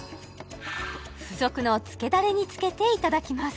付属のつけだれにつけていただきます！